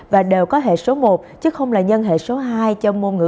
và đều có hệ số một chứ không là nhân hệ số hai